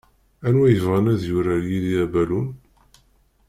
Anwa yebɣan ad yurar yid-i abalun?